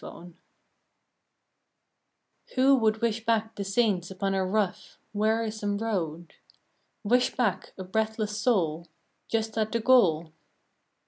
T^ 7 H 0 would wish back the Saints upon our v v Wearisome road ? Wish back a breathless soul Just at the goal